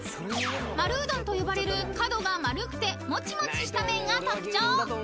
［丸うどんと呼ばれる角が丸くてもちもちした麺が特徴］